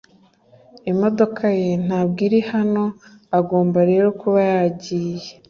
Imodoka ye ntabwo iri hano agomba rero kuba yagiye